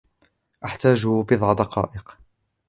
أحتاج بضع دقائق.